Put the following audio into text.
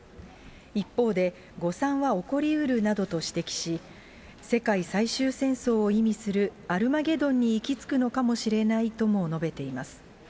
一方で、誤算は起こりうるなどと指摘し、世界最終戦争を意味する、アルマゲドンに行きつくのかもしれないとも述べています。